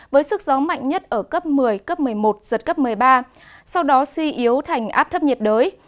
với sức gió mạnh nhất ở cấp một mươi cấp một mươi một giật cấp một mươi ba sau đó suy yếu thành áp thấp nhiệt đới